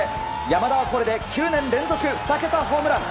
山田はこれで９年連続２桁ホームラン。